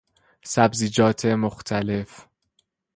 سبزیجات مختلف